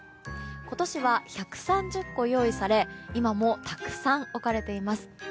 今年は１３０個用意され今もたくさん置かれています。